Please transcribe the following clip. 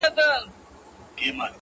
• کور مي ورانېدی ورته کتله مي،